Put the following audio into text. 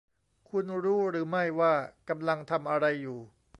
คุณรู้หรือไม่ว่ากำลังทำอะไรอยู่